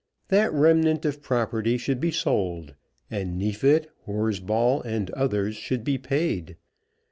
That remnant of property should be sold, and Neefit, Horsball, and others, should be paid.